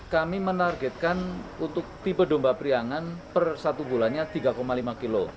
kami menargetkan untuk tipe domba priangan per satu bulannya tiga lima kg